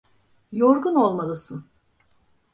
Yorgun olmalısın.